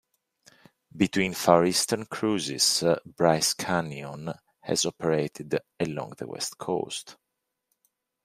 Between Far Eastern cruises "Bryce Canyon" has operated along the West Coast.